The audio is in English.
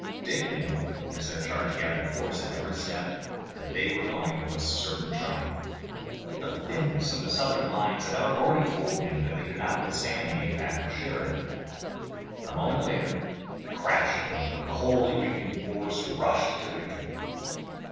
Dick knew, as their charge gathered force at every step, that they were going to certain triumph. The thinness of the Southern lines had already told him that they could not withstand the impact of Sheridan. A moment later the crash came and the whole Union force rushed to victory.